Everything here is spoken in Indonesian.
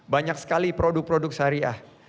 banyak sekali produk produk syariah